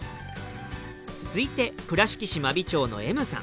続いて倉敷市真備町のＭさん。